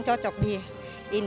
tidak akan membatasi lingkungan